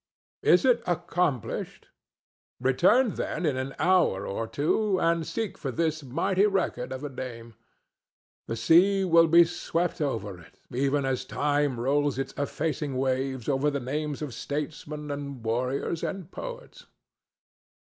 Is it accomplished? Return, then, in an hour or two, and seek for this mighty record of a name. The sea will have swept over it, even as time rolls its effacing waves over the names of statesmen and warriors and poets.